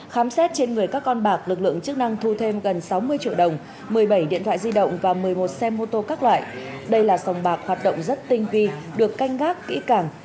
khám xét trên người các con bạc lực lượng chức năng thu thêm gần sáu mươi triệu đồng một mươi bảy điện thoại di động và một mươi một xe mô tô các loại đây là sòng bạc hoạt động rất tinh vi được canh gác kỹ càng